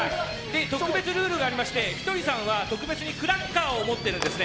特別ルールがありましてひとりさんは特別にクラッカーを持っています。